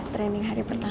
training hari pertama